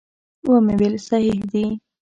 ومې ویل صحیح دي.